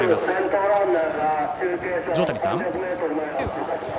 条谷さん。